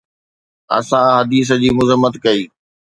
اسان حديث جي مذمت ڪئي